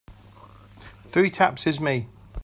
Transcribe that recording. Three taps is me.